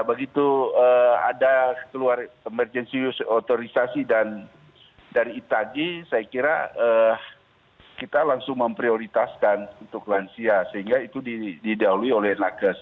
begitu ada keluar emergency use authorization dan dari itagi saya kira kita langsung memprioritaskan untuk lansia sehingga itu didahului oleh nakes